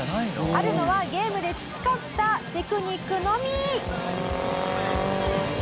あるのはゲームで培ったテクニックのみ！